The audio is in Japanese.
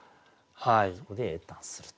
そこで詠嘆すると。